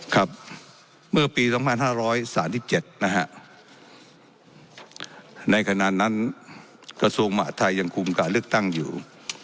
ครับเมื่อปี๒๕๓๗นะฮะในขณะนั้นกระทรวงมหาทัยยังคุมการเลือกตั้งอยู่